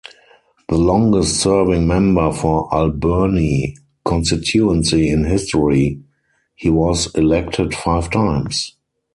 The longest-serving member for Alberni constituency in history, he was elected five times.